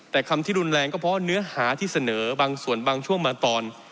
แต่คำที่รุนแรงก็เพราะเนื้อหาที่เสนอบางส่วนบางช่วงบางตอน